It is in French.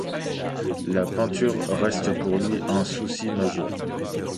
La peinture reste pour lui un souci majeur.